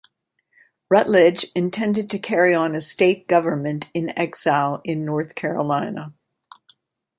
Rutledge intended to carry on a state government in exile in North Carolina.